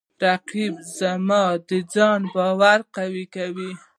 رقیب زما د ځان باور قوی کوي